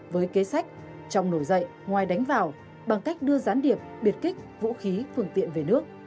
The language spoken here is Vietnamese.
với kế sách trong nổi dậy ngoài đánh vào bằng cách đưa gián điệp biệt kích vũ khí phương tiện về nước